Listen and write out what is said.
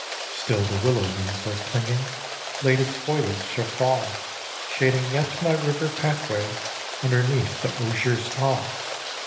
Still the willow leaves are clinging, Latest foliage of fall, Shading yet my river pathway Underneath the osiers tall.